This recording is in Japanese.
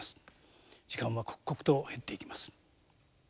時間は刻々と減っていきます。